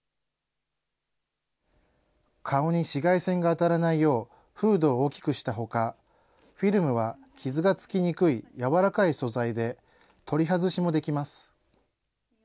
顔に紫外線が当たらないよう、フードを大きくしたほか、フィルムは傷がつきにくい柔らかい素材で、取り外しもできます。